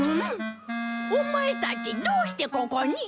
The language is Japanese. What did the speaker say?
オマエたちどうしてここに？